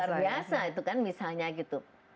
luar biasa itu kan misalnya gitu